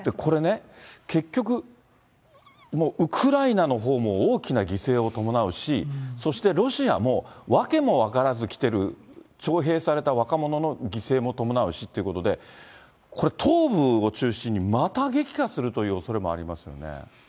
これね、結局、ウクライナのほうも大きな犠牲を伴うし、そしてロシアも訳も分からず来てる徴兵された若者の犠牲も伴うしということで、これ、東部を中心にまた激化するというおそれもありますよね。